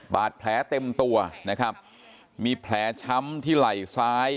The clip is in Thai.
บาดแผลเต็มตัวนะครับมีแผลช้ำที่ไหล่ซ้าย